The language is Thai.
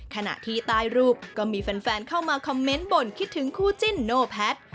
ขณะที่ใต้รูปก็มีแฟนเข้ามาคอมเมนต์บ่นคิดถึงคู่จิ้นโนแพทย์